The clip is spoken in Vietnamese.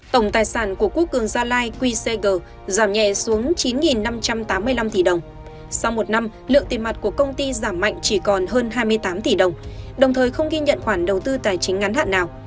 tổng tài sản của quốc cường gia lai qcg giảm nhẹ xuống chín năm trăm tám mươi năm tỷ đồng sau một năm lượng tiền mặt của công ty giảm mạnh chỉ còn hơn hai mươi tám tỷ đồng đồng thời không ghi nhận khoản đầu tư tài chính ngắn hạn nào